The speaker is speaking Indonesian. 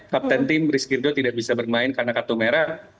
kapten tim rizkyrgo tidak bisa bermain karena kartu merah